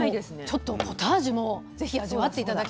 ちょっとポタージュも是非味わって頂きたいんですけど。